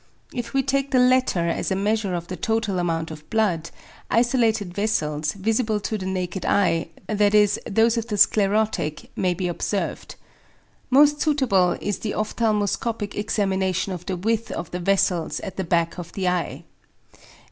If we take the latter as a measure of the total amount of blood, isolated vessels, visible to the naked eye, e.g. those of the sclerotic, may be observed. Most suitable is the ophthalmoscopic examination of the width of the vessels at the back of the eye.